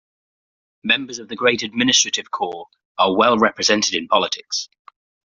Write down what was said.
Members of the great administrative corps are well represented in politics.